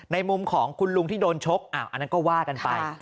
มุมของคุณลุงที่โดนชกอันนั้นก็ว่ากันไป